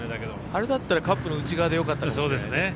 あれだったらカップの内側でよかったですね。